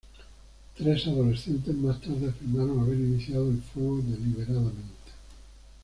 Tres adolescentes más tarde afirmaron haber iniciado el fuego deliberadamente.